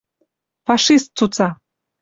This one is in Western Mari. Фашист цуца